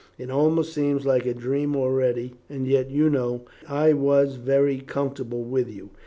"It almost seems like a dream already, and yet you know I was very comfortable with you."